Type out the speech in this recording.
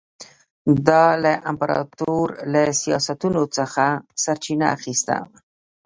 دا له امپراتور له سیاستونو څخه سرچینه اخیسته.